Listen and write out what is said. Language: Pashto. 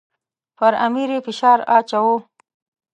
پر امیر یې فشار اچاوه.